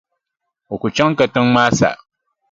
O ku chaŋ katiŋa maa sa.